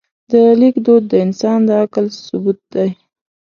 د لیک دود د انسان د عقل ثبوت دی.